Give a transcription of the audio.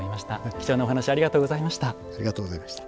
貴重なお話ありがとうございました。